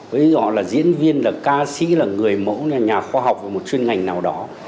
với họ là diễn viên là ca sĩ là người mẫu là nhà khoa học và một chuyên ngành nào đó